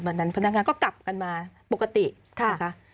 วันนั้นพนักงานก็กลับกันมาปกตินะคะ